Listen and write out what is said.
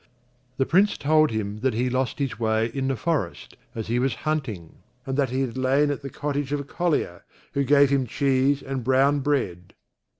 The Prince told him that he lost his way in the forest, as he was hunting, and that he had lain at the cottage of a collier, who gave him cheese and brown bread.